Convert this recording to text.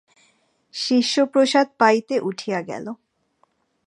শিষ্য প্রসাদ পাইতে উঠিয়া গেল।